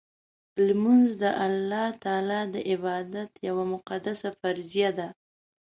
لمونځ د الله تعالی د عبادت یوه مقدسه فریضه ده.